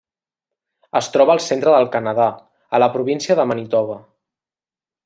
Es troba al centre del Canadà, a la província de Manitoba.